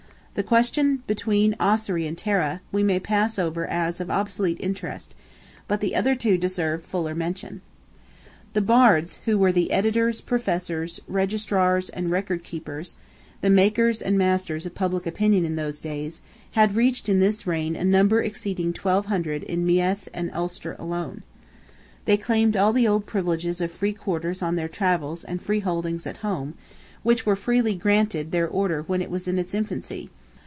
The question between Ossory and Tara, we may pass over as of obsolete interest, but the other two deserve fuller mention: The Bards—who were the Editors, Professors, Registrars and Record keepers—the makers and masters of public opinion in those days, had reached in this reign a number exceeding 1,200 in Meath and Ulster alone. They claimed all the old privileges of free quarters on their travels and freeholdings at home, which were freely granted to their order when it was in its infancy.